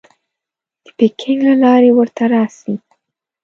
د پیکنګ له لارې ورته راسې.